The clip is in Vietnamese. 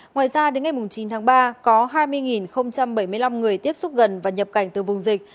ngoài ra đến ngày chín tháng ba có hai mươi bảy mươi năm người tiếp xúc gần và nhập cảnh từ vùng dịch